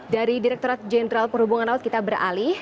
dari direkturat jenderal perhubungan laut kita beralih